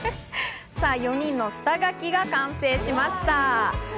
４人の下描きが完成しました。